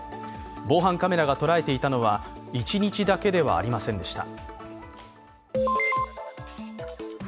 防犯カメラが捉えていたのは１日だけではありませんでした。